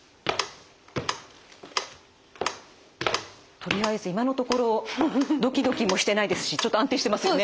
とりあえず今のところドキドキもしてないですしちょっと安定してますよね。